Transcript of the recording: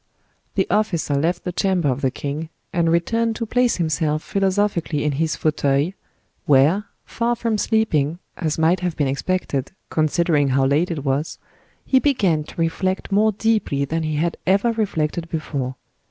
The officer left the chamber of the king, and returned to place himself philosophically in his fauteuil, where, far from sleeping, as might have been expected, considering how late it was, he began to reflect more deeply than he had ever reflected before.